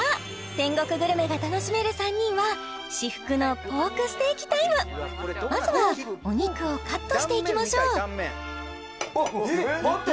天国グルメが楽しめる３人は至福のまずはお肉をカットしていきましょうえっ待って？